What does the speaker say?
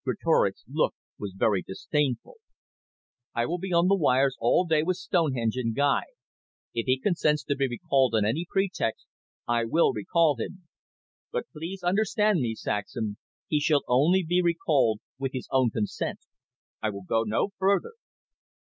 Greatorex's look was very disdainful. "I will be on the wires all day with Stonehenge and Guy. If he consents to be recalled on any pretext, I will recall him. But please understand me, Saxham; he shall only be recalled with his own consent. I will go no further."